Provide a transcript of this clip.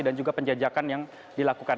dan juga penjejakan yang dilakukan